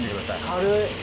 軽い。